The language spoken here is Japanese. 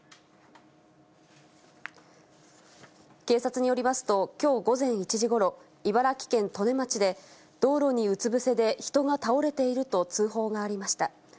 警察によりますと、きょう午前１時ごろ、茨城県利根町で、道路にうつ伏せで人が倒れていると通報がありました。